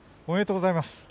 おめでとうございます。